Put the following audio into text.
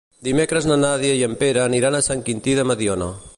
Dimecres na Nàdia i en Pere aniran a Sant Quintí de Mediona.